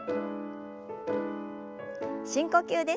深呼吸です。